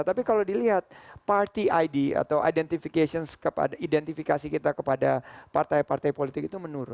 tapi kalau dilihat party id atau identifikasi kita kepada partai partai politik itu menurun